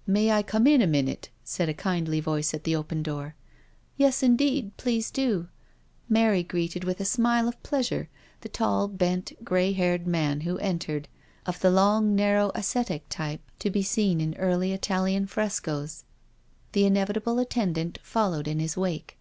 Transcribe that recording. " May, I come in a minute?" said a kindly voice at the open door. IN THE PUNISHMENT CELL 283 " Yes, indeed, please do/' Mary greeted with a smile of pleasure the tall, bent, grey haired man who entered, of the long, narrow, ascetic type to be seen in early Italian frescoes. The inevitable attendant fol lowed in his wake.